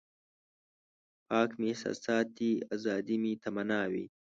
پاک مې احساسات دي ازادي مې تمنا وي.